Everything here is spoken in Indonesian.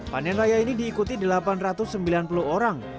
panen raya ini diikuti delapan ratus sembilan puluh orang